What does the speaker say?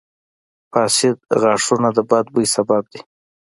• فاسد غاښونه د بد بوي سبب دي.